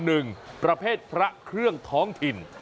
หนึ่งประเภทพระเครื่องท้องถิ่น